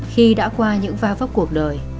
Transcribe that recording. khi đã qua những va vấp cuộc đời